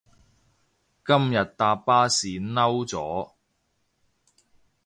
今日搭巴士嬲咗